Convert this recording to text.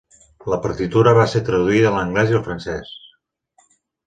La partitura va ser traduïda a l'anglès i al francès.